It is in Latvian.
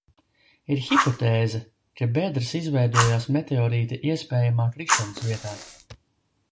Ir hipotēze, ka bedres izveidojās meteorīta iespējamā krišanas vietā.